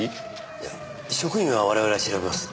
いや職員は我々が調べます。